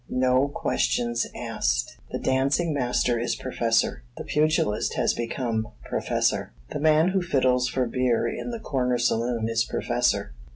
No questions asked. The dancing master is professor. The pugilist has become professor. The man who fiddles for beer in the corner saloon is professor.